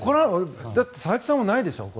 だって佐々木さんもないでしょ。